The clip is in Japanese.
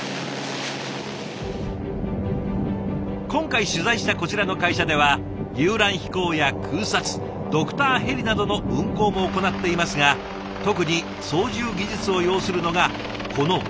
今回取材したこちらの会社では遊覧飛行や空撮ドクターヘリなどの運航も行っていますが特に操縦技術を要するのがこの物資輸送。